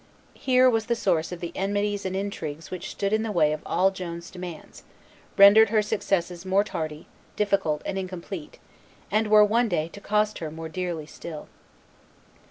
Here was the source of the enmities and intrigues which stood in the way of all Joan's demands, rendered her successes more tardy, difficult, and incomplete, and were one day to cost her more dearly still.